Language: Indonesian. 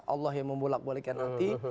allah yang membolak balikan nanti